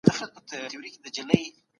که مشر عادل وي نو حکومت پاوېدونکی وي.